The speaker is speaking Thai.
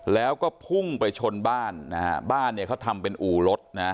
แล้วก็พุ่งไปชนบ้านนะฮะบ้านเนี่ยเขาทำเป็นอู่รถนะ